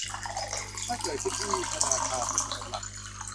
ถ้าเกิดขึ้นที่ธนาคารบนถนนหลัก